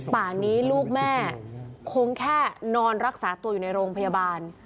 ป่านี้ลูกแม่คงแค่นอนรักษาตัวอยู่ในโรงพยาบาล